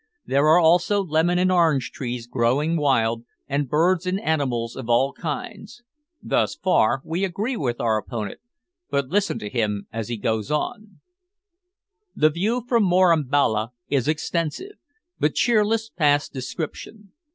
There are also lemon and orange trees growing wild, and birds and animals of all kinds." Thus far we agree with our opponent but listen to him as he goes on: "The view from Morambala is extensive, but cheerless past description.